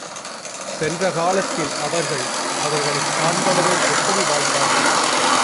சென்ற காலத்தில் அவர்கள், அவர்களைச் சார்ந்தவர்கள் எப்படி வாழ்ந்தார்கள்?